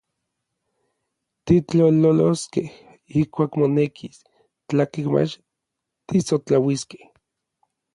Titlololoskej ijkuak monekis, tlakej mach tisotlauiskej.